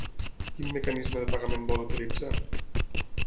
Quin mecanisme de pagament vol utilitzar?